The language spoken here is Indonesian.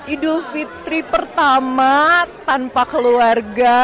idul fitri pertama tanpa keluarga